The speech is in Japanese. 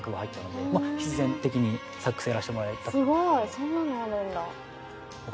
そんなのあるんだ。